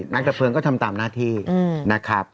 นักดับเพลิงก็ทำตามหน้าที่นะครับ